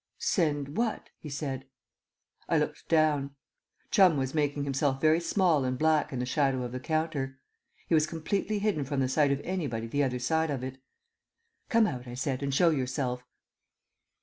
"Send what?" he said. I looked down. Chum was making himself very small and black in the shadow of the counter. He was completely hidden from the sight of anybody the other side of it. "Come out," I said, "and show yourself."